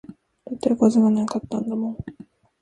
だっておかずが無かったんだもん